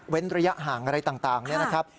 เว้นระยะห่างอะไรต่างนะครับ